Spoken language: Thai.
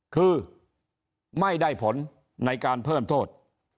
คือไม่ได้ผลในการเพิ่มโทษ